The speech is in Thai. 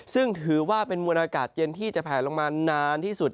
ซึ่งถือว่าเป็นมวลอากาศเย็นที่จะแผลลงมานานที่สุด